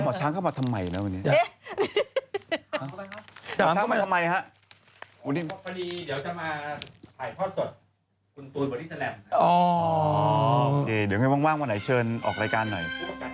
ว่างวันไหนเชิญออกรายการหน่อย